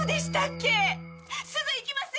すぐ行きます！